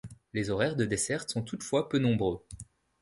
Les horaires de desserte sont toutefois peu nombreux.